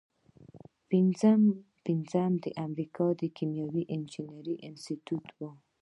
پنځمه د امریکا د کیمیاوي انجینری انسټیټیوټ و.